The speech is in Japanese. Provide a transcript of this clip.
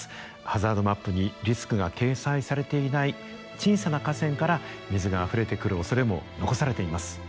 ハザードマップにリスクが掲載されていない小さな河川から水があふれてくるおそれも残されています。